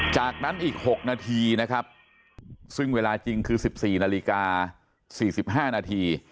จากนั้นอีก๖นาทีนะครับซึ่งเวลาจริงคือ๑๔นาฬิกา๔๕นาที